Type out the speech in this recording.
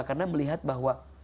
karena melihat bahwa